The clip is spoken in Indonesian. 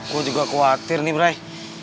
gue juga khawatir nih brai